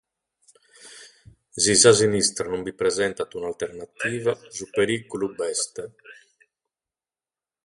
Si sa sinistra non presentat un'alternativa, su perìgulu b'est.